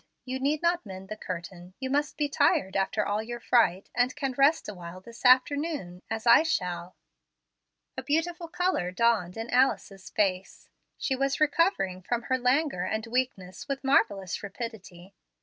You need not mend the curtain. You must be tired after all your fright, and can rest awhile this afternoon, as I shall." A beautiful color dawned in Alice's face. She was recovering from her languor and weakness with marvellous rapidity.